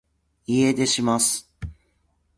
家出します